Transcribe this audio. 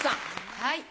はい。